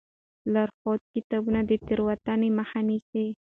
لارښود کتاب د تېروتنې مخه نیسي.